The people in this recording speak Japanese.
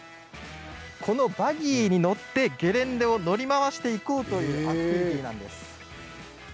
バギーに乗ってゲレンデを乗り回していこうというアクティビティーなんです。